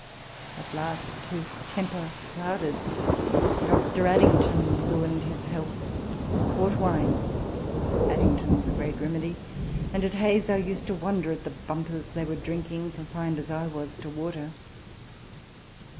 At last his temper clouded. Dr. Addington J ruined his health. Port wine was Addington's great remedy ; and at Hayes I used to wonder at the bumpers they were drinking, con fined as I was to water.